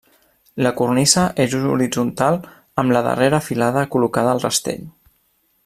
La cornisa és horitzontal amb la darrera filada col·locada al rastell.